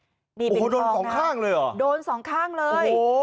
โอ้โหโดนสองข้างเลยเหรอโดนสองข้างเลย